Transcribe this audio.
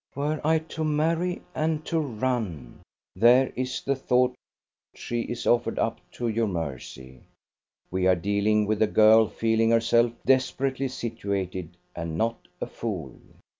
"Were I to marry, and to run!" There is the thought; she is offered up to your mercy. We are dealing with a girl feeling herself desperately situated, and not a fool.